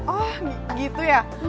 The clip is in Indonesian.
oh gitu ya